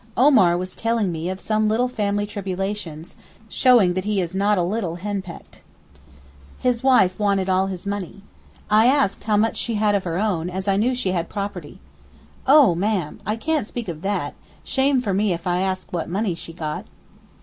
Omar was telling me of some little family tribulations, showing that he is not a little henpecked. His wife wanted all his money. I asked how much she had of her own, as I knew she had property. 'Oh, ma'am! I can't speak of that, shame for me if I ask what money she got.